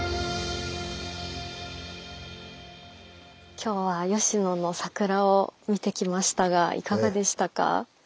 今日は吉野の桜を見てきましたがいかがでしたか？